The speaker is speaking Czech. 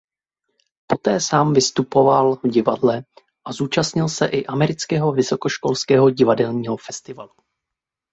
Poté sám vystupoval v divadle a zúčastnil se i Amerického vysokoškolského divadelního festivalu.